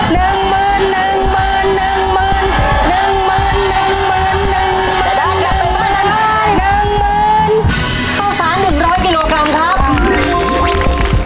หนึ่งหมื่นหนึ่งหมื่นหนึ่งหมื่นหนึ่งหมื่นหนึ่งหมื่น